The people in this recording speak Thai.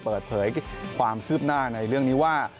เปิดเผยความคืบหน้าในเรื่องนี้ว่า